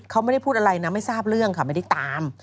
เขาไม่ได้พูดอะไรนะไม่ทราบเรื่องค่ะไม่ได้ตาม